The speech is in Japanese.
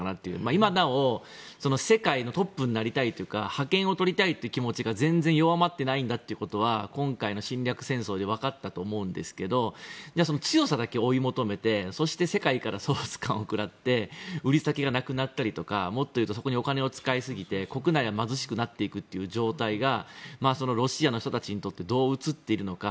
今なお、世界のトップになりたいというか覇権をとりたいという気持ちが全然弱まってないってことは今回の侵略戦争で分かったと思うんですけどその強さだけ追い求めて、そして世界から総スカンを食らって売り先がなくなったりとかもっというとお金を使いすぎて国内が貧しくなっていくという状態がロシアの人たちにとってどう映っているのか。